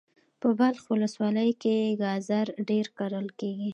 په بلخ ولسوالی کی ګازر ډیر کرل کیږي.